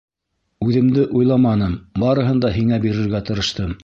Үҙемде уйламаным, барыһын да һиңә бирергә тырыштым.